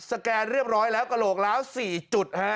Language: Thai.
แกนเรียบร้อยแล้วกระโหลกล้าว๔จุด